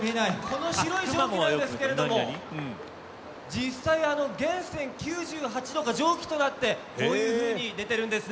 この白い蒸気なんですけれども実際源泉９８度が蒸気となってこういうふうに出てるんですね。